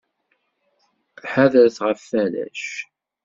Ḥadret ɣef warrac.